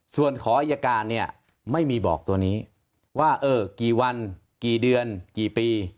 ส่วนขออายการเนี่ยไม่มีบอกตัวนี้ว่าเออกี่วันกี่เดือนกี่ปี